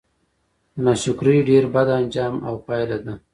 د ناشکرۍ ډير بد آنجام او پايله ده